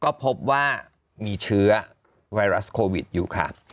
ก็พบว่ามีเชื้อไวรัสโควิดอยู่ค่ะ